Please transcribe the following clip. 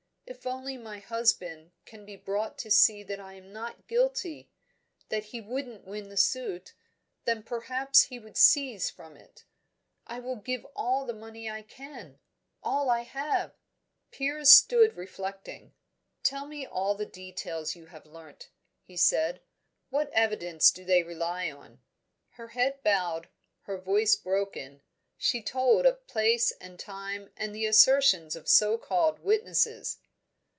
If only my husband can be brought to see that I am not guilty, that he wouldn't win the suit, then perhaps he would cease from it. I will give all the money I can all I have!" Piers stood reflecting. "Tell me all the details you have learnt," he said. "What evidence do they rely on?" Her head bowed, her voice broken, she told of place and time and the assertions of so called witnesses.